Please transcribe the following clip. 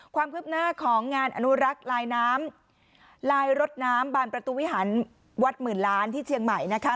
ความคืบหน้าของงานอนุรักษ์ลายน้ำลายรถน้ำบานประตูวิหารวัดหมื่นล้านที่เชียงใหม่นะคะ